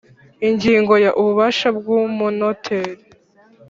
Ingingo ya ububasha bw umunoteri